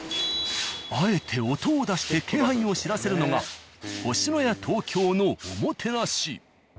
あえて音を出して気配を知らせるのが「星のや東京」のおもてなし。